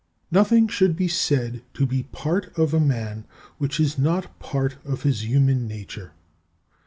15. Nothing should be said to be part of a man which is not part of his human nature.